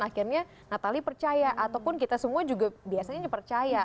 akhirnya natali percaya ataupun kita semua juga biasanya percaya